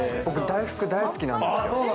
僕、大福大好きなんです。